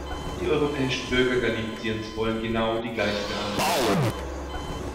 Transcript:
Die europäischen Bürger Galiciens wollen genau die gleiche Behandlung erfahren.